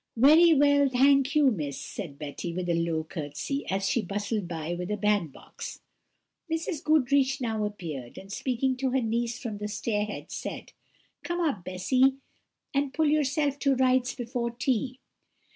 "Very well, thank you, Miss," said Betty, with a low curtsey, as she bustled by with a bandbox. Mrs. Goodriche now appeared, and speaking to her niece from the stair head said: "Come up, Bessy, and put yourself to rights before tea."